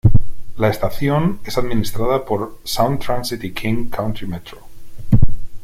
La estación es administrada por Sound Transit y King County Metro.